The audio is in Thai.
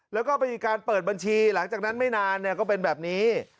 แล้วก็มีการเปิดบัญชีหลังจากนั้นไม่นานก็เป็นแบบนี้